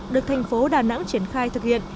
được thành phố đà nẵng triển khai thực hiện